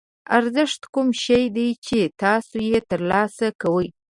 ارزښت کوم شی دی چې تاسو یې ترلاسه کوئ.